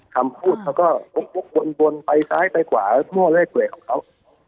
คำพูดแล้วก็บนไปซ้ายไปขวามั่วเลขเกลียดของเขา